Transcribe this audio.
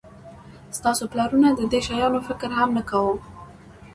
ستاسو پلرونو د دې شیانو فکر هم نه کاوه